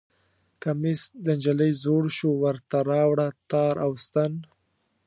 کمیس د نجلۍ زوړ شو ورته راوړه تار او ستن